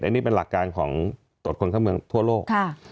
อันนี้เป็นหลักการของตรวจคนเข้าเมืองทั่วโลก